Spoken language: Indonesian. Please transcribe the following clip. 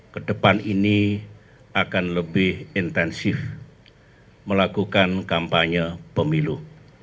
ke depan ini akan lebih intensif melakukan kampanye pemilu